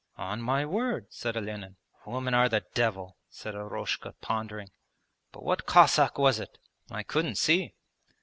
'On my word,' said Olenin. 'Women are the devil,' said Eroshka pondering. 'But what Cossack was it?' 'I couldn't see.'